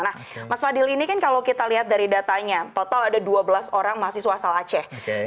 nah mas fadil ini kan kalau kita lihat dari datanya total ada dua belas orang mahasiswa asal aceh